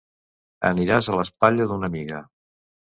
Aniràs a l'espatlla d'una amiga.